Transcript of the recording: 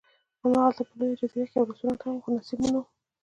هماغلته په لویه جزیره کې یو رستورانت هم و، خو نصیب مو نه و.